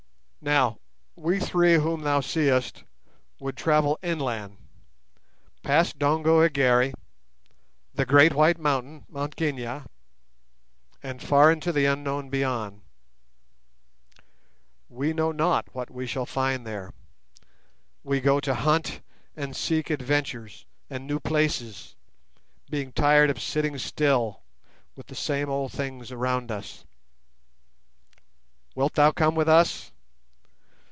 "Now, we three whom thou seest would travel inland, past Dongo Egere, the great white mountain (Mt Kenia), and far into the unknown beyond. We know not what we shall find there; we go to hunt and seek adventures, and new places, being tired of sitting still, with the same old things around us. Wilt thou come with us?